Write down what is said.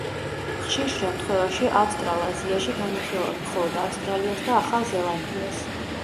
ხშირ შემთხვევაში ავსტრალაზიაში განიხილავენ მხოლოდ ავსტრალიას და ახალ ზელანდიას.